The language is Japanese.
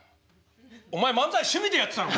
お前漫才趣味でやってたのか？